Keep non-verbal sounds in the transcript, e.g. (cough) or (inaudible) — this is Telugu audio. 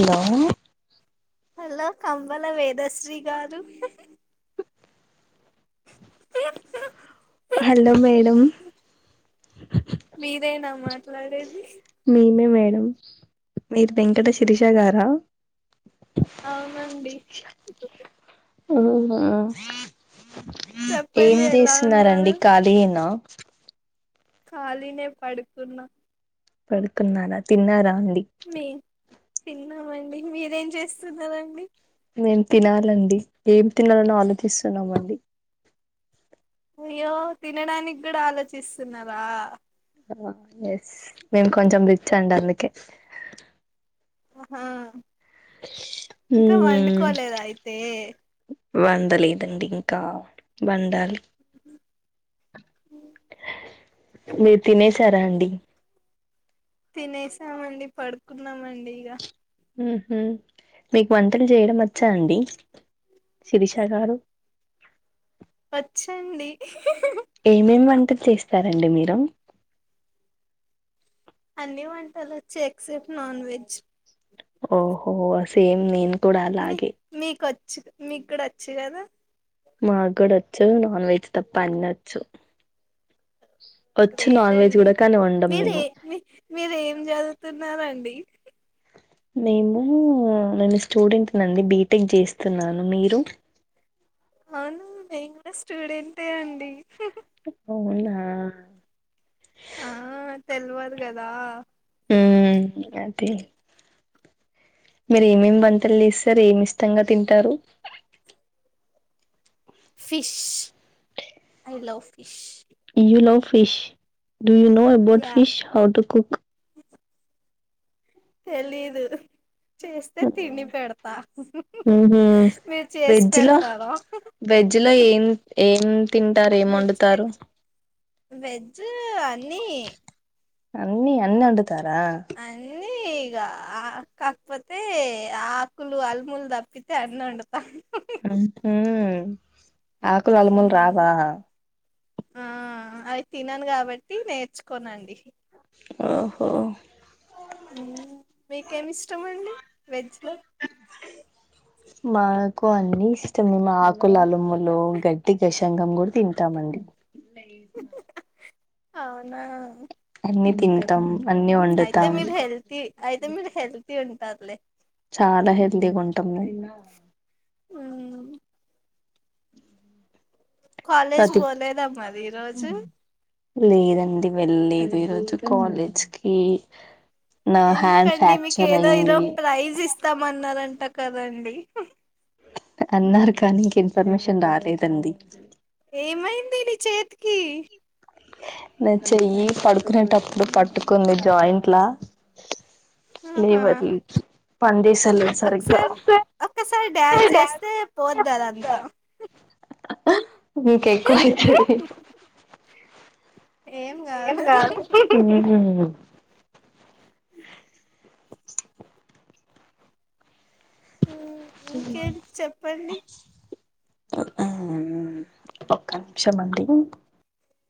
హలో హలో కమ్మల వేదశ్రీ గారు హలో మేడం మీరేనా మాట్లాడేది. నేనే మేడం మీరు వెంకట శిరీష గారా అవునండి. అవునా ఏం చెప్పండి ఎలా చేస్తున్నారండి ఉన్నారు కాలీయేన కాళినే పడుకున్న పడుకున్నారా తిన్నారాన్ మీ తిన్నామండి మీరేం చేస్తున్నరండి. నేను తినాలండి. ఏం తినాలని ఆలోచిస్తున్నాం అండి. అయ్యో తినడానికి కూడా ఆలోచిస్తున్నారా! ఎస్ మేము కొంచెం రిచ్ అండి అందుకే ఆహా! ఇంకా మ్మ్ వండుకోలేద అయితే వండలేదండి ఇంకా వండాలి. మీరు తినేసారాండి. తినేసామండి పడుకున్నామండి ఇగ ఊహు మీకు వంట ట చేయడం వచ్చా అండి. శిరిష గారు వచ్చండి ఏమేమి వంటలు చేస్ తారండి మీరు అన్ని వంటలు చెక్స్క్ నాన్ వెజ్ ఓహో సేమ్ నేను కొడలాగే చ్ మీక్కూడా వచ్ కదా మా కూడాడొచ్చు నాన్ వెజ్ పన్నొచ్చు రేటండి మీరే మేము మీరేం చదువుతున్నారండి నేము నేను స్టూడెంట్ నండి బీటెక్ చేస్తున్నాను మీరు అవును మెయిన్ స్టూడెంటె అండి ఇ అవునా ఆ తెల్వదు కదా అదే మీరు ఏమేమి బంతలు లేస్త సారు ఏమి ఇష్టంగా తింటారు fish hello fish hello fish do you know about yeah fish how to cook తెలీదు చేస్తే తిండి పెడతా మీరు చేసి వెజ్ లో పెడతారా వెజ్ లో ఏం ఏం తింటారు ఏం వెజ్ వండుతారు వెజ్ అన్ని అన్నీ అన్న వాండ్ ఇ తారా ఇ ఆ కాకపోతే ఆకులు అల్ములు తప్పితే అన్ని వండుతా అంతే ఆకులు అలములు రావా ఆ అవి తినను కాబట్టి నేర్చుకోనండి ఓహో మీకేమి ఇష్టమండి వెజ్ లో మాకు అన్ని ఇష్టం మే మా ఆకుల అలుమ్మలు గడ్డి గషంగం కూడా తింటామండి అవునా న్ని తింటాం అన్ని అయితే వండుతాం మీరు హెల్తి అయితే మీరు హెల్ ఉంటారులే చాలా హెల్తీగా ఉంటాం మ్మ్ కాలేజ్ ప్రతి పోలేదమ్మ అది ఈ రోజు లేదండి. వెళ్ళలేదు ఈ రోజు కాలేజ్కి ఎందుకండి మీకు ఏదో ఇరో ప్రైజ్ ఇస్తామన్నార అంట కదండి అన్నరూ కానీ ఇన్ఫర్మేషన్ రాలేదండి. ఏమైంది నీ చేతి ఇ న చెయ్యి పడుకునేటప్పుడు పట్టుకుంది జాయింట్లా ఎ ఆహా వదిలీ పనీ చేస్ తెల్దవది సరిగ్గా ఒకసారి ఒక్కసారి డ్యాన్స్ ఏస్తే పోద్ది అది అంతా మీకు ఎక్కువైతయి ఏం కాదు హ్ (unintelligible) హ్ ఇంకేంటి చెప్పండి. ఒక్క నిమిషం అండి